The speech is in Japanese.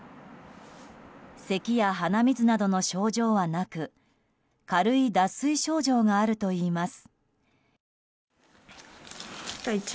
せきや鼻水などの症状はなく軽い脱水症状があるといいます。